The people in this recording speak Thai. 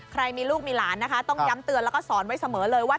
ใครมีลูกมีหลานนะคะต้องย้ำเตือนแล้วก็สอนไว้เสมอเลยว่า